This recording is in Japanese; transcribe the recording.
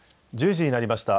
１０時になりました。